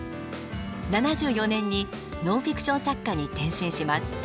７４年にノンフィクション作家に転身します。